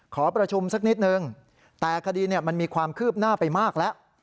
ขอประชุมสักนิดนึงแต่คดีมันมีความคืบหน้าไปมากแล้ว